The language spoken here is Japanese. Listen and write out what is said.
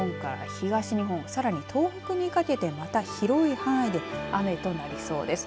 東日本さらに東北にかけてまた広い範囲で雨となりそうです。